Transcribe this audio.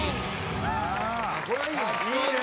これはいいね。